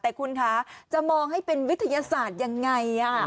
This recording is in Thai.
แต่คุณคะจะมองให้เป็นวิทยาศาสตร์ยังไง